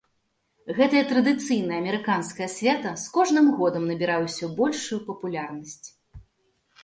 Гэтае традыцыйнае амерыканскае свята з кожным годам набірае ўсё большую папулярнасць.